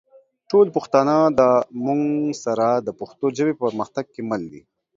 ټول پښتانه دا مونږ سره د پښتو ژبې په پرمختګ کې مل دي